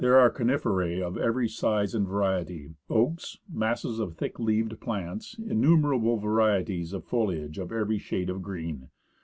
ELIAS coniferae of every size and variety, oaks, masses of thick leaved plants, innumerable varieties of foliage in every shade of green.